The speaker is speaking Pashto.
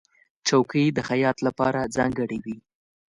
چوکۍ د خیاط لپاره ځانګړې وي.